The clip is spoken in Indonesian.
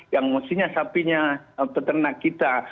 yang mestinya sapinya peternak kita